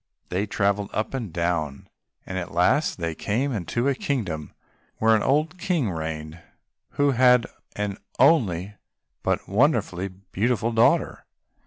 They travelled up and down, and at last they came into a kingdom where an old King reigned who had an only but wonderfully beautiful daughter.